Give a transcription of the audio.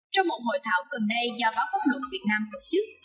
trong một hội thảo gần đây do báo pháp luật việt nam tổ chức